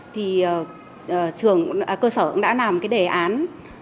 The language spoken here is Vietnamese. thì cơ sở cũng đã làm cái đề án